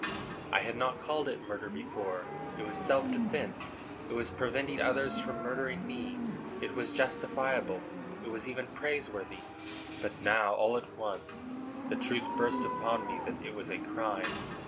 I had not called it murder before. It was self defence,—it was preventing others from murdering me,—it was justifiable, it was even praiseworthy. But now, all at once, the truth burst upon me that it was a crime.